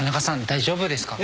大丈夫ですか？